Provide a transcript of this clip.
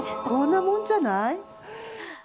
こんなもんじゃない？